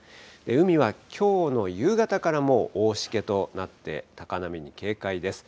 海はきょうの夕方からもう大しけとなって、高波に警戒です。